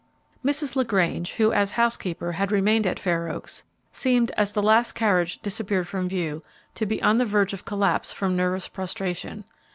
Mrs. LaGrange, who, as housekeeper, had remained at Fair Oaks, seemed, as the last carriage disappeared from view, to be on the verge of collapse from nervous prostration.